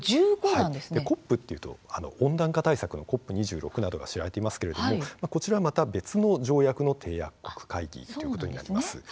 ＣＯＰというと温暖化対策のＣＯＰ２６などが知られていますけれどもこちらはまた別の締約国会議ということになります。